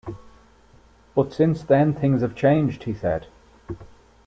But since then things have changed, he said.